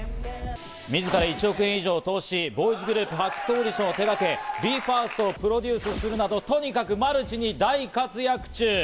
自ら１億円以上を投資し、ボーイズグループ発掘オーディションを手がけＢＥ：ＦＩＲＳＴをプロデュースするなど、とにかくマルチに大活躍中。